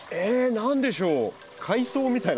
何でしょう？